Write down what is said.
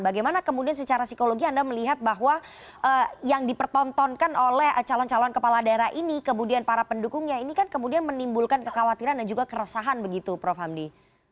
bagaimana kemudian secara psikologi anda melihat bahwa yang dipertontonkan oleh calon calon kepala daerah ini kemudian para pendukungnya ini kan kemudian menimbulkan kekhawatiran dan juga keresahan begitu prof hamdi